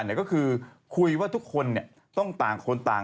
เมื่อวาน